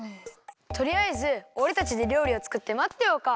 とりあえずおれたちでりょうりをつくってまってようか。